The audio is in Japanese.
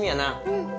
うん。